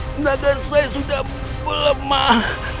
tenaga saya sudah melemah